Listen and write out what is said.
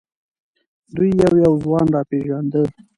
دوی یو یو ځان را پېژانده.